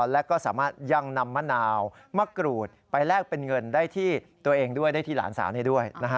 แล้วก็สามารถยังนำมะนาวมะกรูดไปแลกเป็นเงินได้ที่ตัวเองด้วยได้ที่หลานสาวนี้ด้วย